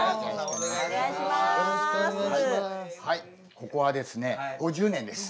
ここはですね５０年です。